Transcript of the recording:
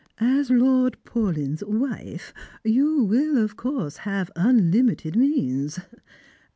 As Lord Paulyn's wife, you will, of course, have unlimited means.